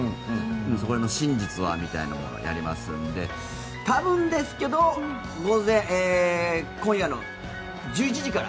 そこの真実はみたいなのをやるので多分ですけど今夜の１１時から。